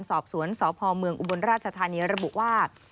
สอบสวนสพเมืองอุบลราชธานีระบุว่า